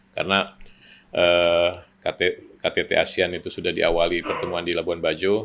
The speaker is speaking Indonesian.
karena ktt asean itu sudah diawali pertemuan di labuan bajo